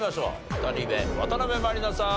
２人目渡辺満里奈さん